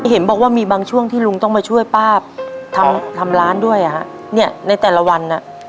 เห็นบอกว่ามีบางช่วงที่ลุงต้องมาช่วยป้าทำร้านด้วยในแต่ละวัน